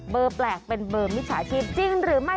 แปลกเป็นเบอร์มิจฉาชีพจริงหรือไม่